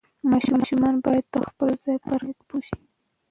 ماشوم باید د خپل ځای پر اهمیت پوه شي.